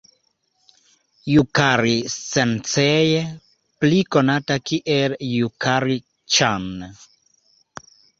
Jukari-sensej, pli konata kiel Jukari-ĉan.